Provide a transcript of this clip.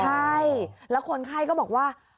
ใช่แล้วคนไข้ก็บอกว่า